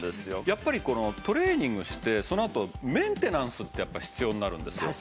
やっぱりトレーニングしてそのあとメンテナンスって必要になるんですよ。